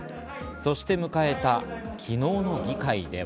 そして迎えた昨日の議会では。